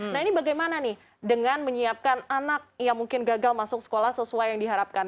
nah ini bagaimana nih dengan menyiapkan anak yang mungkin gagal masuk sekolah sesuai yang diharapkan